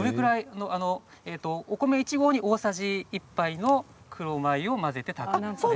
お米１合に大さじ１杯の黒米を混ぜて炊くんですね？